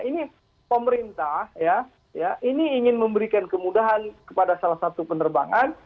ini pemerintah ya ini ingin memberikan kemudahan kepada salah satu penerbangan